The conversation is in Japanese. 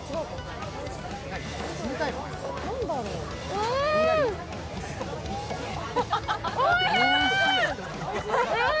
うーん、おいしい！